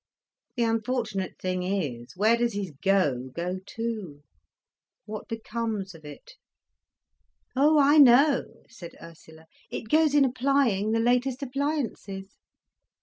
The unfortunate thing is, where does his go go to, what becomes of it?" "Oh I know," said Ursula. "It goes in applying the latest appliances!"